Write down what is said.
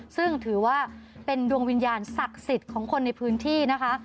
ซึ่งถือว่าเป็นดวงวิญญาณศักดิ์สิทธิ์ของคนในพื้นที่นะคะ